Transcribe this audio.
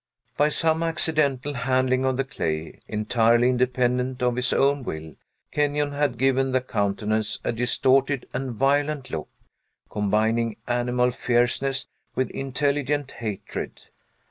By some accidental handling of the clay, entirely independent of his own will, Kenyon had given the countenance a distorted and violent look, combining animal fierceness with intelligent hatred.